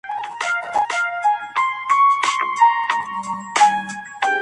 Las flores son fragantes, de color rojo y requieren de riego continuo.